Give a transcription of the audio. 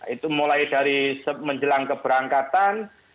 itu mulai dari menjelang keberangkatan